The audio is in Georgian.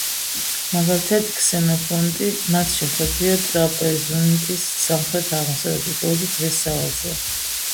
მაგალითად, ქსენოფონტი მათ შეხვედრია ტრაპეზუნტის სამხრეთ-აღმოსავლეთით ორი დღის სავალზე.